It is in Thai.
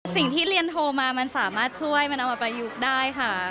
สิ่งที่เรียนโทรมามันสามารถช่วยมันเอามาประยุกต์ได้ค่ะ